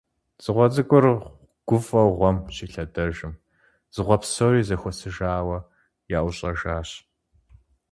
Дзыгъуэ цӀыкӀур гуфӀэу гъуэм щилъэдэжым, дзыгъуэ псори зэхуэсыжауэ яӀущӀэжащ.